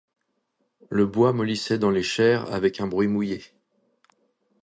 Le bois mollissait dans les chairs avec un bruit mouillé.